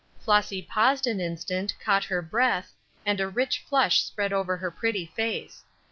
Flossy paused an instant, caught her breath, and a rich flush spread over her pretty face.